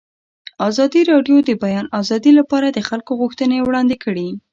ازادي راډیو د د بیان آزادي لپاره د خلکو غوښتنې وړاندې کړي.